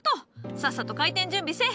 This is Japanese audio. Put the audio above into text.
さっさと開店準備せい。